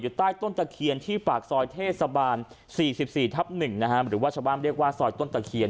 อยู่ใต้ต้นตะเคียนที่ปากซอยเทศบาลสี่สิบสี่ทับหนึ่งนะฮะหรือว่าชาวบ้านเรียกว่าซอยต้นตะเคียน